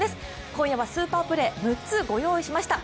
今夜はスーパープレー６つご用意しました。